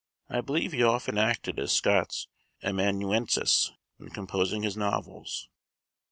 I believe he often acted as Scott's amanuensis, when composing his novels.